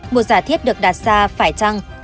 một giả thiết được đặt ra phải trong bài hát này là